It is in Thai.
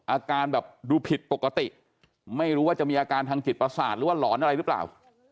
อาการแบบดูผิดปกติไม่รู้ว่าจะมีอาการทางจิตประสาทหรือว่าหลอนอะไรหรือเปล่า